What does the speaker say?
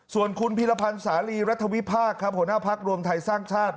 ส่วนคุณพิรพันธ์สาลีรัฐวิพากษ์ครับหัวหน้าพักรวมไทยสร้างชาติ